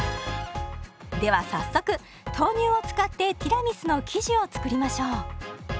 では早速豆乳を使ってティラミスの生地を作りましょう。